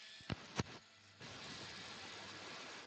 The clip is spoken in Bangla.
যে জন্তুটি এত কাণ্ডের মূল এবার তাকে খুঁজে বার করতে হবে।